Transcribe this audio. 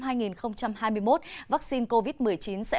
vắc xin covid một mươi chín sẽ hoàn toàn được tiêm cho sáu mươi người